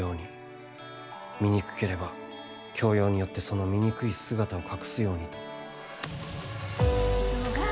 醜ければ教養によってその醜い姿を隠すように」と。